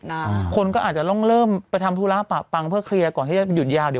คนก็อาจจะต้องเริ่มไปทำธุระปะปังเพื่อเคลียร์ก่อนที่จะหยุดยาวเดี๋ยว